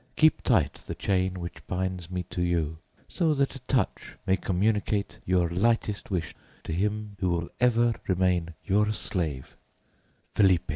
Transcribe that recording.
Keep tight the chain which binds me to you, so that a touch may communicate your lightest wish to him who will ever remain your slave, FELIPE.